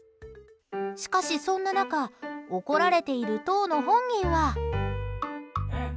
しかし、そんな中怒られている当の本人は。